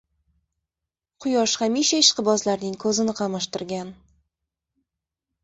Quyosh hamisha ishqibozlarining ko‘zini qamashtirgan.